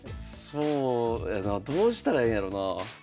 そうやなどうしたらええんやろな。